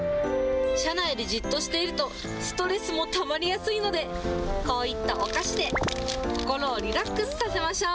車内でじっとしているとストレスもたまりやすいので、こういったお菓子で、心をリラックスさせましょう。